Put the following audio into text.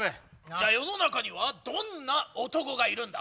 じゃ世の中にはどんな男がいるんだ？